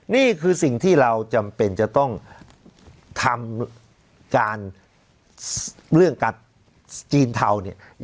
นี่คือสิ่งที่เราจำเป็นจะต้องทำการเรื่องกับจีนเทา